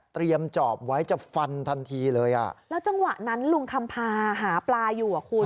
จอบไว้จะฟันทันทีเลยอ่ะแล้วจังหวะนั้นลุงคำพาหาปลาอยู่อ่ะคุณ